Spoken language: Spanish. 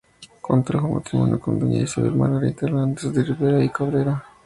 Contrajo matrimonio con Doña Isabel Margarita Hernández de Ribera y Cabrera.